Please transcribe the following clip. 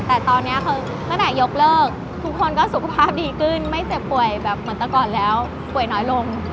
แต่ตอนนี้คือตั้งแต่ยกเลิกทุกคนก็สุขภาพดีขึ้นไม่เจ็บป่วยแบบเหมือนแต่ก่อนแล้วป่วยน้อยลง